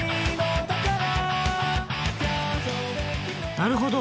なるほど。